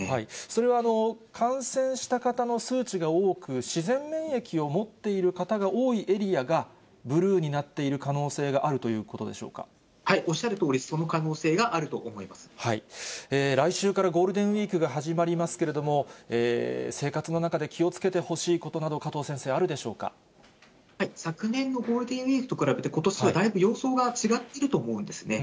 それは感染した方の数値が多く、自然免疫を持っている方が多いエリアが、ブルーになっている可能おっしゃるとおり、その可能来週から、ゴールデンウィークが始まりますけれども、生活の中で気をつけてほしいことなど、昨年のゴールデンウィークと比べて、ことしはだいぶ様相が違っていると思うんですね。